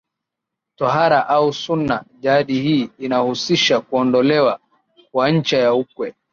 Tohara au Sunna jadi hii inahusisha kuondolewa kwa ncha ya uke